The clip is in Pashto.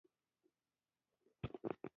د امیل په ډول يې